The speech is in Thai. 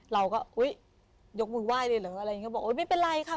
เราก็อุ๊ยยกมือไหว้เลยเหรออะไรอย่างนี้ก็บอกโอ๊ยไม่เป็นไรค่ะ